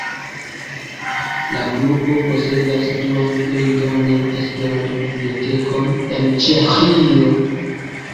La Klubo posedas duan plej grandan Esperanto-bibliotekon en Ĉeĥio.